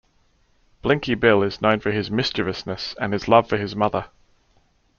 Blinky Bill is known for his mischievousness and his love for his mother.